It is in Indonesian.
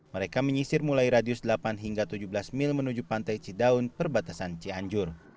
mereka menyisir mulai radius delapan hingga tujuh belas mil menuju pantai cidaun perbatasan cianjur